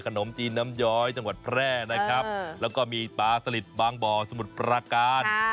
ขนมจีนน้ำย้อยจังหวัดแพร่นะครับแล้วก็มีปลาสลิดบางบ่อสมุทรปราการ